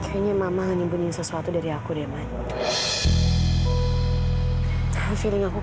kamu biar biar itu elok nganggur